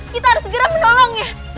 kita harus segera menolongnya